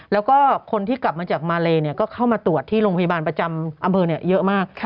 แล้วก็คนที่กลับมาจากมาเลก็เข้ามาตรวจที่โรงพยาบาลประจำอำเภอเยอะมาก